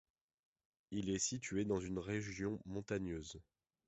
Il est situé dans une région montagneuse.